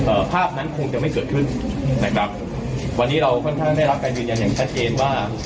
ภาพนั้นคงจะไม่เกิดขึ้นนะครับวันนี้เราค่อนข้างได้รับการยืนยันอย่างชัดเจนว่า